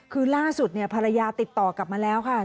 คือล่าสุดเนี่ยภรรยาติดต่อกลับมาแล้วค่ะ